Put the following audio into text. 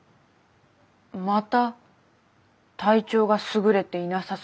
また体調がすぐれていなさそうですが。